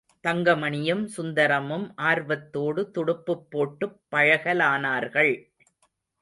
தங்கமணியும் சுந்தரமும் ஆர்வத்தோடு துடுப்புப் போட்டுப் பழகலானார்கள்.